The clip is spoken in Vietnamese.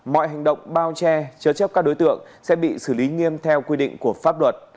mọi hành động bao che chớ chấp các đối tượng sẽ bị xử lý nghiêm theo quy định của pháp luật